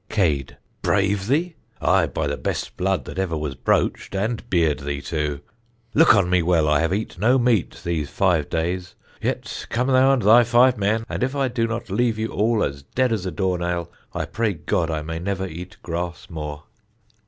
Cade. Brave thee? ay, by the best blood that ever was broached, and beard thee too. Look on me well: I have eat no meat these five days; yet, come thou and thy five men; and if I do not leave you all as dead as a door nail, I pray God I may never eat grass more.